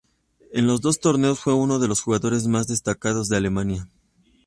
En los dos torneos fue uno de los jugadores más destacados de Alemania.